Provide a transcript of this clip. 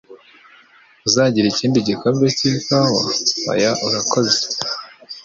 Uzagira ikindi gikombe cy'ikawa?" "Oya, urakoze."